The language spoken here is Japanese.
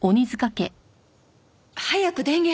早く電源。